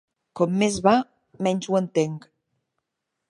Com més va, menys ho entenc.